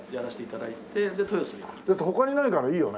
だって他にないからいいよね。